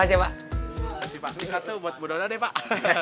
ini satu buat bu dona deh pak